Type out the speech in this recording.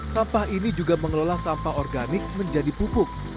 sampah ini juga mengelola sampah organik menjadi pupuk